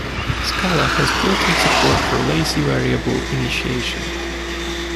Scala has built-in support for lazy variable initiation.